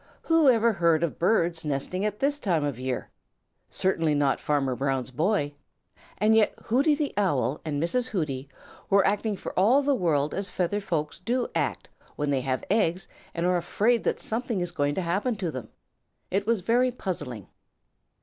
Who ever heard of birds nesting at this time of year? Certainly not Farmer Brown's boy. And yet Hooty the Owl and Mrs. Hooty were acting for all the world as feathered folks do act when they have eggs and are afraid that something is going to happen to them. It was very puzzling.